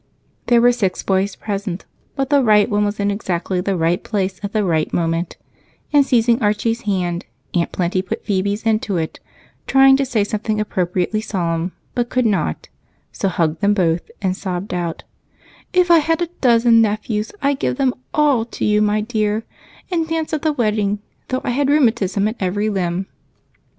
There were six boys present, but the right one was in exactly the right place at the right moment, and, seizing Archie's hand, Aunt Plenty put Phebe's into it, trying to say something appropriately solemn, but could not, so hugged them both and sobbed out: "If I had a dozen nephews, I'd give them all to you, my dear, and dance at the wedding, though I had rheumatism in every limb."